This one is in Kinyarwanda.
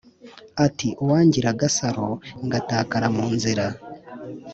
ati"uwangira agasaro ngatakara munzira